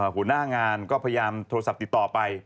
หัวหน้างานก็พยายามโทรศัพท์ติดต่อไป